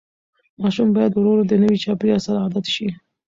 ماشوم باید ورو ورو د نوي چاپېریال سره عادت شي.